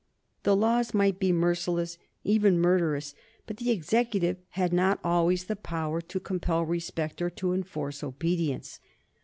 The laws might be merciless, even murderous, but the Executive had not always the power to compel respect or to enforce obedience.